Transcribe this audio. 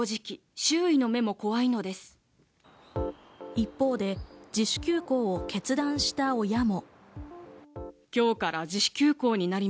一方で自主休校を決断した親も。